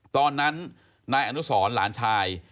ตอนนั้นนายอนุสรหลานชาย